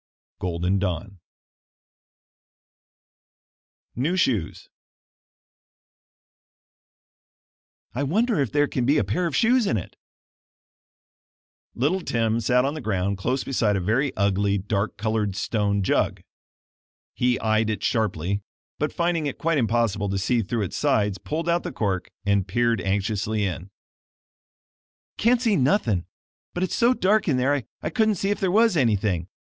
Golden Dawn NEW SHOES "I wonder if there can be a pair of shoes in it!" Little Tim sat on the ground close beside a very ugly dark colored stone jug. He eyed it sharply, but finding it quite impossible to see through its sides, pulled out the cork and peered anxiously in. "Can't see nothin', but it's so dark in there I couldn't see if there was anything.